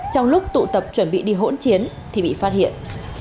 trong lúc tụ tập chuẩn bị đi hỗn chiến thì bị phát hiện